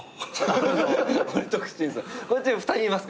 こっち２人いますから。